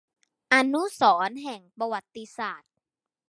อนุสรณ์แห่งประวัติศาสตร์